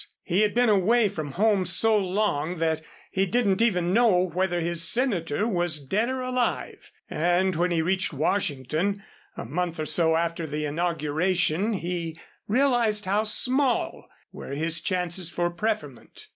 He had been away from home so long that he didn't even know whether his senator was dead or alive, and when he reached Washington, a month or so after the inauguration, he realized how small were his chances for preferment.